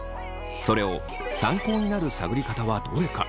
それを参考になる探り方はどれか？